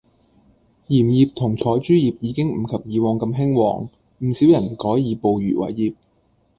鹽業同採珠業已經唔及以往咁興旺，唔少人改以捕漁為業